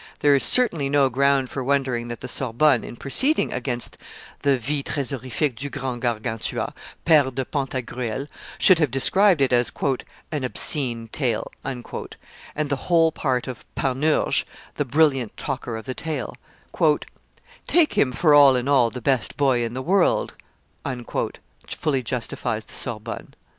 There is certainly no ground for wondering that the Sorbonne, in proceeding against the Vie tres horrifique du grand Gargantua, pere de Pantagruel, should have described it as "an obscene tale;" and the whole part of Panurge, the brilliant talker of the tale, "Take him for all in all the best boy in the world," fully justifies the Sorbonne.